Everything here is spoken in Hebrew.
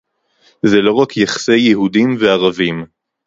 זה לא רק יחסי יהודים וערבים